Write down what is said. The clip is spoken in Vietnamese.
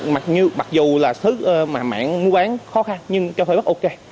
mặc dù là mảng mua bán khó khăn nhưng cho thuê rất ok